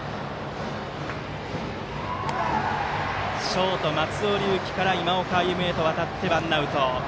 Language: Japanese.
ショート松尾龍樹から今岡歩夢へと渡ってワンアウト。